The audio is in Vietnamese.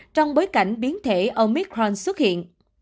trong bối cảnh biến thể omicron xuất hiện